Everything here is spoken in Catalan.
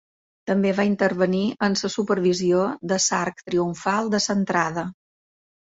També va intervenir en la supervisió de l'arc triomfal de l'entrada.